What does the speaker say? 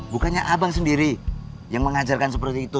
bukannya abang sendiri yang mengajarkan seperti itu